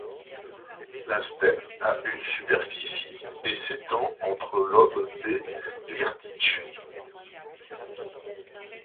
La steppe a une superficie de et s'étend entre l'Ob et l'Irtych.